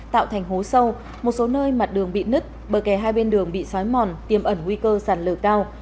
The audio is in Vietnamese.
tạo thành hố sâu một số nơi mặt đường bị nứt bờ kè hai bên đường bị xói mòn tiêm ẩn nguy cơ sạt lở cao